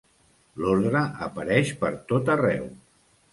L'ordre apareix per tot arreu.